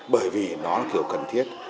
bởi vì nó là kiểu cần thiết